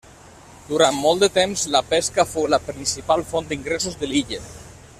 Durant molt de temps la pesca fou la principal font d'ingressos de l'illa.